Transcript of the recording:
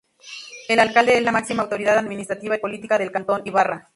El Alcalde es la máxima autoridad administrativa y política del Cantón Ibarra.